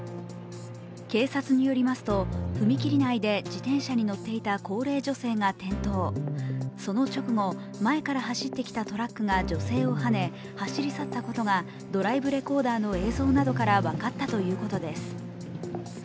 警察によりますと踏切内で自転車に乗っていた高齢女性が転倒、その直後、前から走ってきたトラックが女性をはね、走り去ったことがドライブレコーダーの映像などから分かったということです。